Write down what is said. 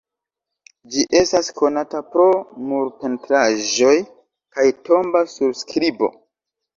Ĝi estas konata pro murpentraĵoj kaj tomba surskribo.